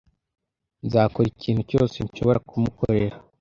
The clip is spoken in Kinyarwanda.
Nzakora ikintu cyose nshobora kumukorera